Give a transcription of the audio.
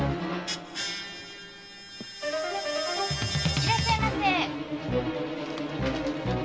いらっしゃいませ。